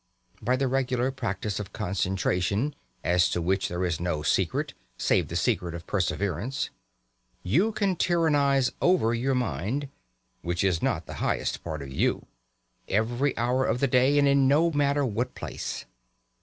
By the regular practice of concentration (as to which there is no secret save the secret of perseverance) you can tyrannise over your mind (which is not the highest part of you) every hour of the day, and in no matter what place.